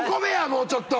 もうちょっと。